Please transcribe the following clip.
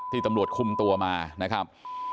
ตำรวจคุมตัวมานะครับ